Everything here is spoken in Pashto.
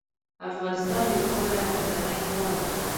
افغانستان یو ښکلی او غرنی هیواد دی .